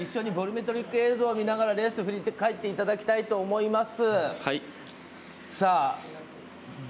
今日は一緒にボリュメトリック映像を見ながらレースを振り返っていただきたいと思います。